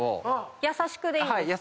優しくでいいんですか